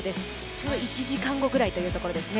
ちょうど１時間後くらいということですね。